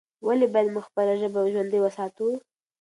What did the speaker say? ولې باید موږ خپله ژبه ژوندۍ وساتو؟